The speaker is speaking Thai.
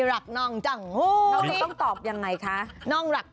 ถามจะหลอบลงจังฟู